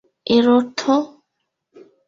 এর অর্থ,